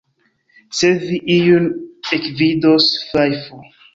Se vi iun ekvidos, fajfu!